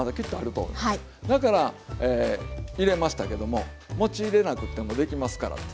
だから入れましたけども餅入れなくってもできますからって。